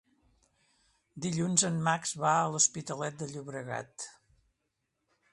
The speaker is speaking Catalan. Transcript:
Dilluns en Max va a l'Hospitalet de Llobregat.